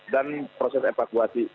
dan proses evakuasi